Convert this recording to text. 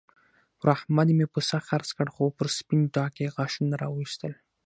پر احمد مې پسه خرڅ کړ؛ خو پر سپين ډاګ يې غاښونه را واېستل.